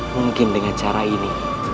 mungkin dengan cara ini